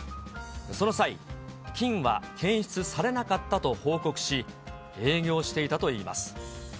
その際、菌は検出されなかったと報告し、営業していたといいます。